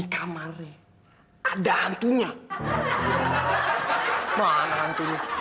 ini kamarnya ada hantunya mana hantunya